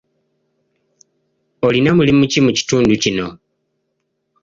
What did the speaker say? Olina mulimu ki mu kitundu kino?